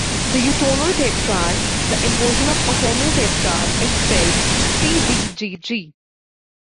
The utonal tetrad, the inversion of the otonal tetrad, is spelled C-D-G-G.